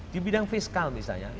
di bidang fiskal misalnya